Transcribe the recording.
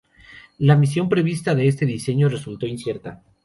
La misión prevista de este diseño resultó incierta.